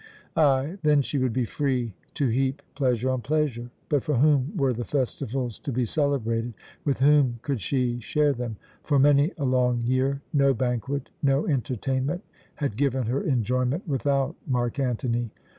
Ay, then she would be free to heap pleasure on pleasure. But for whom were the festivals to be celebrated; with whom could she share them? For many a long year no banquet, no entertainment had given her enjoyment without Mark Antony.